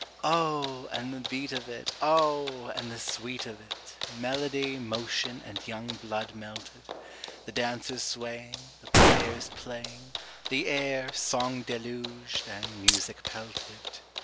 Oh! and the beat of it, oh! and the sweet of it Melody, motion, and young blood melted; The dancers swaying, the players playing, The air song deluged and music pelted.